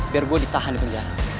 biar gue ditahan di penjara